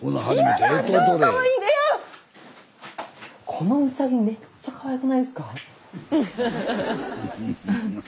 このうさぎめっちゃかわいくないですか？